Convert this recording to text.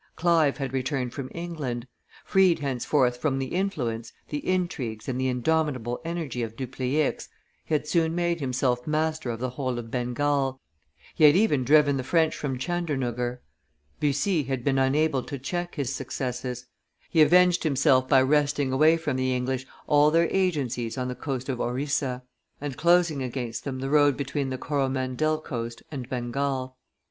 Clive had returned from England; freed henceforth from the influence, the intrigues, and the indomitable energy of Dupleix, he had soon made himself master of the whole of Bengal, he had even driven the French from Chandernuggur; Bussy had been unable to check his successes; he avenged himself by wresting away from the English all their agencies on the coast of Orissa, and closing against them the road between the Coromandel coast and Bengal.